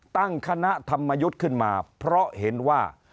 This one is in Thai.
ตั้งคณะธรรมยุทธ์ขึ้นมาเพราะเห็นว่า